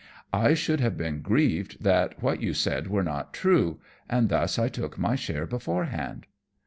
I should have been grieved that what you said were not true, and thus I took my share beforehand."